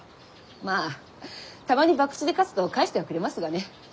まあたまに博打で勝つと返してはくれますがね。